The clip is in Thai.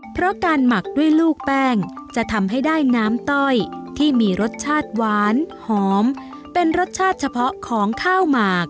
เพราะการหมักด้วยลูกแป้งจะทำให้ได้น้ำต้อยที่มีรสชาติหวานหอมเป็นรสชาติเฉพาะของข้าวหมาก